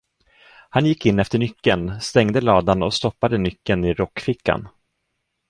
Han gick in efter nyckeln, stängde ladan och stoppade nyckeln i rockfickan.